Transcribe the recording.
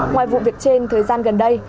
ngoài vụ việc trên thời gian gần đây